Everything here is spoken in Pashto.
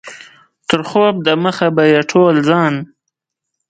تر خوب دمخه به یې ټول ځان.